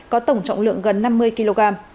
có tổng trọng lượng gần năm mươi kg